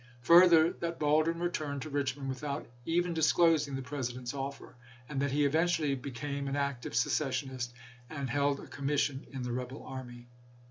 Further, that Baldwin returned to Bich mond without even disclosing the President's offer ; and that he eventually became an active seces sionist, and held a commission in the rebel army.